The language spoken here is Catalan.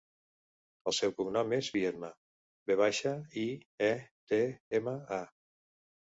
El seu cognom és Viedma: ve baixa, i, e, de, ema, a.